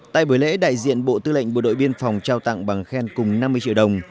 tại buổi lễ đại diện bộ tư lệnh bộ đội biên phòng trao tặng bằng khen cùng năm mươi triệu đồng